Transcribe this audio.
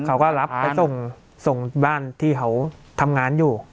เขาก็รับไปส่งบ้านที่เขาทำงานอยู่